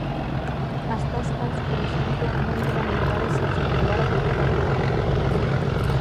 As tascas, por exemplo, non eran lugares aos que levar a cultura galega.